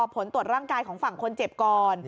ผลตรวจร่างกายของฝั่งคนเจ็บก่อน